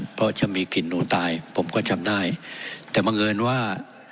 เพราะจะมีกลิ่นหนูตายผมก็จำได้แต่บังเอิญว่า